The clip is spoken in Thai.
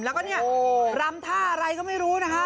แล้วก็รัมท่าอะไรก็ไม่รู้นะคะ